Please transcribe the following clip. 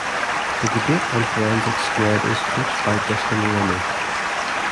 The Debate and Forensics squad is coached by Dustin Rimmey.